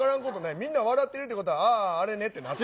みんな笑ってるってことは、ああ、あれねってなってる。